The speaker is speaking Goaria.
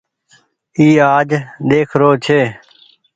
اي آج ۮيک رو ڇي۔